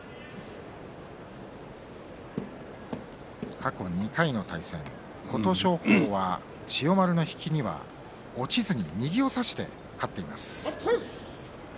過去２回の対戦琴勝峰は千代丸の引きには落ちずに右を差して勝っています。